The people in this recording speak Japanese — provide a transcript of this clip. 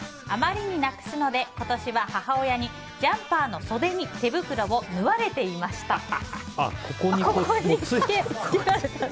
あまりになくすので今年は母親にジャンパーの袖に手袋を縫われていました。